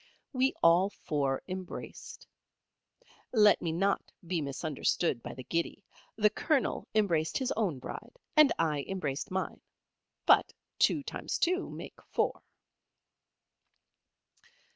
We all four embraced. Let me not be misunderstood by the giddy. The Colonel embraced his own Bride, and I embraced mine. But two times two make four.